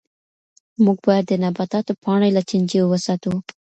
موږ باید د نباتاتو پاڼې له چنجیو وساتو.